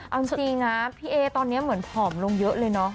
เอาจริงนะพี่เอตอนนี้เหมือนผอมลงเยอะเลยเนาะ